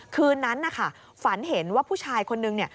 คืนนั้นฝันเห็นว่าผู้ชายคนนึง